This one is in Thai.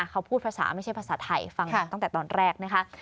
เขาพูดภาษาไม่ใช่ภาษาไทยฟังตั้งแต่ตอนแรกนะคะ